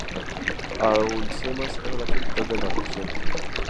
Alhucemas era la capital de la región.